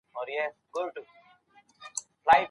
ژوند روان دی.